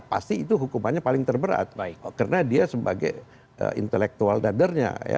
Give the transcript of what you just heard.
pasti itu hukumannya paling terberat karena dia sebagai intelektual dadernya